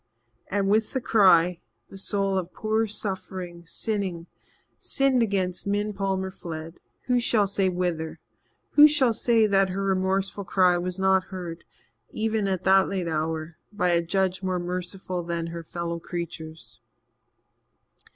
And with the cry, the soul of poor suffering, sinning, sinned against Min Palmer fled who shall say whither? Who shall say that her remorseful cry was not heard, even at that late hour, by a Judge more merciful than her fellow creatures?